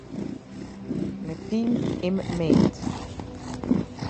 Me pimë im metë.